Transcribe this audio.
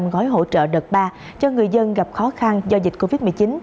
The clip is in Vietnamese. gói hỗ trợ đợt ba cho người dân gặp khó khăn do dịch covid một mươi chín